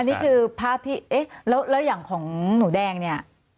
อันนี้คือภาพที่แล้วอย่างของหนูแดงเนี่ย